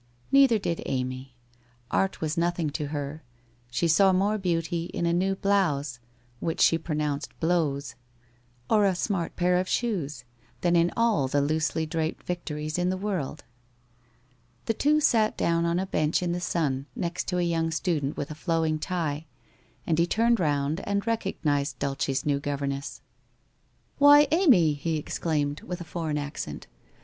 Neither did Amy. Art was nothing to her. She saw more beauty in a new blouse — which she pronounced blowze — or a smart pair of shoes, than in all the loosely draped Vic tories in the world. The two sat down on a bench in the sun next to a young student with a flowing tie, and he turned round and recognized Duke's new governess. * Why, Amy !' he exclaimed, with a foreign accent.